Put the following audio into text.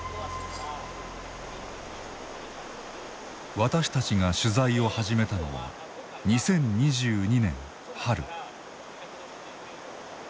私たちが取材を始めたのは２０２２年春。